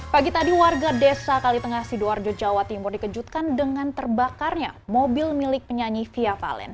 pagi tadi warga desa kalitengah sidoarjo jawa timur dikejutkan dengan terbakarnya mobil milik penyanyi fia valen